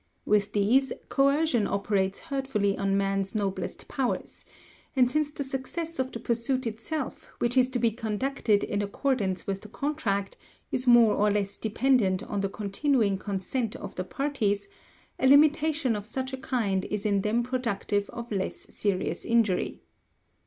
With these coercion operates hurtfully on man's noblest powers; and since the success of the pursuit itself which is to be conducted in accordance with the contract, is more or less dependent on the continuing consent of the parties, a limitation of such a kind is in them productive of less serious injury.